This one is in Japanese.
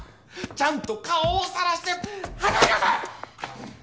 ちゃんと顔をさらして働きなさい！